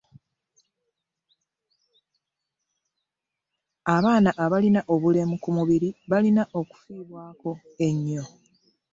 Abaana abalina obulemu kumibiri balina okufibwako enyo.